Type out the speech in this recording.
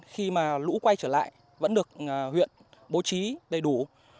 khi mà lũ quay trở lại vẫn được huyện bố trí đầy đủ